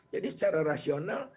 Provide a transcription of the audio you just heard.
jadi secara rasional